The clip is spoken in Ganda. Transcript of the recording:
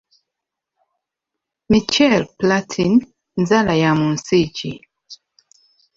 Michel Platin nzaalwa ya mu nsi ki?